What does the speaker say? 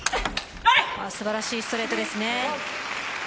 素晴らしいストレートですね。